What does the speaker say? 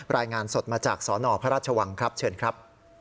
รายงานสดมาจากสนพระราชวังครับเชิญครับ